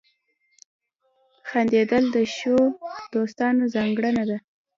• خندېدل د ښو دوستانو ځانګړنه ده.